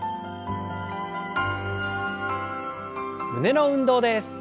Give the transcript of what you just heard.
胸の運動です。